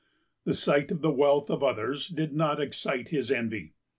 The sight of the wealth of others did not excite his envy.